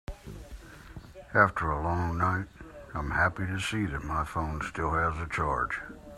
After the long night, I am happy to see that my phone still has a charge.